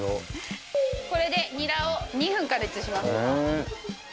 これでニラを２分加熱します。